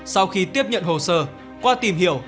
sau khi tiếp nhận hồ sơ qua tìm hiểu